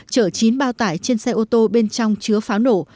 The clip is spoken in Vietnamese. chở chín bao tải trên xe ô tô bên trong chứa pháo nổ